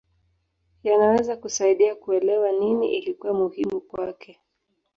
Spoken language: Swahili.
Yanaweza kusaidia kuelewa nini ilikuwa muhimu kwake.